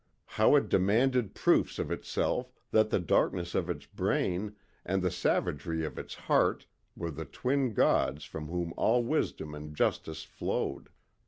How it demanded proofs of itself that the darkness of its brain and the savagery of its heart were the twin Gods from whom all wisdom and justice flowed.